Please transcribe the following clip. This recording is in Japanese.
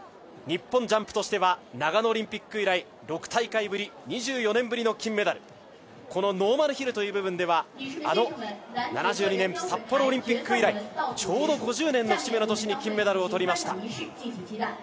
日本ジャンプとしては長野オリンピック以来６大会ぶり２４年ぶりの金メダル、ノーマルヒルという部分ではあの７２年、札幌オリンピック以来、ちょうど５０年の節目の年に金メダルを取りました。